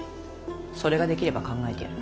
それができれば考えてやる。